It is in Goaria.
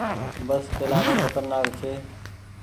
بس چلآڻو موٽو کترنآڪ ڇي۔